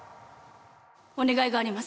お願いがあります